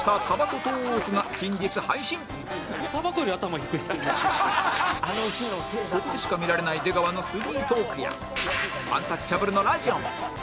ここでしか見られない出川のスリートーークやアンタッチャブルのラジオも